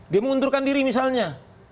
dia mengundurkan diri misalnya